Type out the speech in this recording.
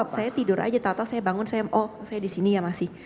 pokoknya saya tidur saja tak tahu saya bangun saya oh saya di sini ya masih